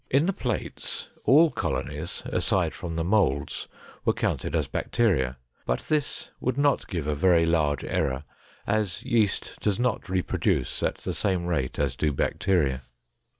In the plates all colonies, aside from the molds, were counted as bacteria, but this would not give a very large error, as yeast does not reproduce at the same rate as do bacteria.